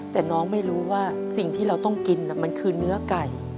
แต่น้องไม่รู้ว่าสิ่งที่เราต้องกินมันคือเนื้อไก่